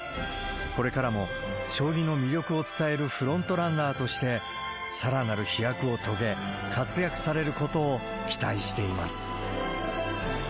これからも将棋の魅力を伝えるフロントランナーとして、さらなる飛躍を遂げ、活躍されることを期待しています。